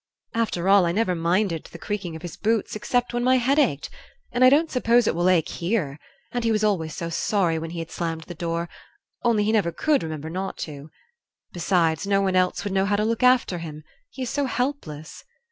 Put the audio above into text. After all, I never minded the creaking of his boots, except when my head ached, and I don't suppose it will ache HERE; and he was always so sorry when he had slammed the door, only he never COULD remember not to. Besides, no one else would know how to look after him, he is so helpless.